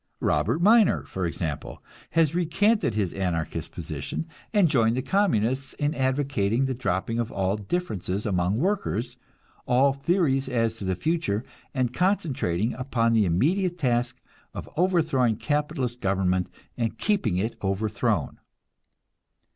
Robert Minor, for example, has recanted his Anarchist position, and joined the Communists in advocating the dropping of all differences among the workers, all theories as to the future, and concentrating upon the immediate task of overthrowing capitalist government and keeping it overthrown.